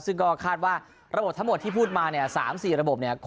ซึ่งก็คาดว่าระบบทั้งหมดที่พูดมาเนี่ย๓๔ระบบเนี่ย